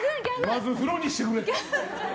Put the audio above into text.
まず風呂にしてくれ。